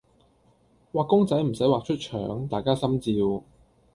畫公仔唔駛畫出腸，大家心照